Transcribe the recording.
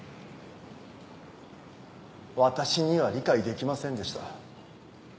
私には理解できませんでした。